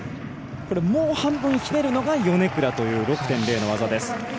もう半分ひねるのがヨネクラという６．０の技です。